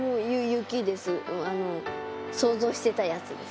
想像してたやつです。